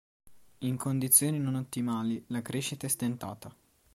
In condizioni non ottimali la crescita è stentata.